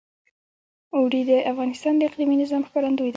اوړي د افغانستان د اقلیمي نظام ښکارندوی ده.